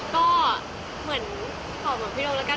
ก็เหมือนขอเหมือนพี่โดมแล้วกัน